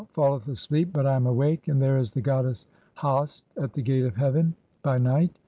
Ra falleth asleep, but "I am awake, and there is the goddess Hast at the gate of heaven "(32) by night.